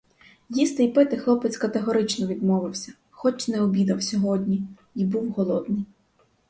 Їсти й пити хлопець категорично відмовився, хоч не обідав сьогодні й був голодний.